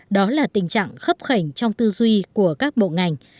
đó là tình trạng khấp khảnh trong tư duy của các bộ ngành